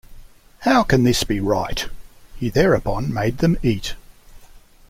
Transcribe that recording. How can this be right? He thereupon made them eat.